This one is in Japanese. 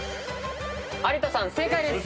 有田さん正解です！